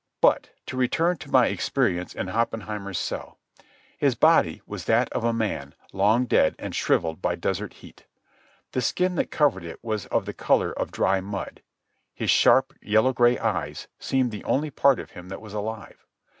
But to return to my experience in Oppenheimer's cell. His body was that of a man long dead and shrivelled by desert heat. The skin that covered it was of the colour of dry mud. His sharp, yellow gray eyes seemed the only part of him that was alive.